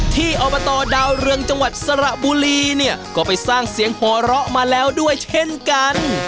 อบตดาวเรืองจังหวัดสระบุรีเนี่ยก็ไปสร้างเสียงหัวเราะมาแล้วด้วยเช่นกัน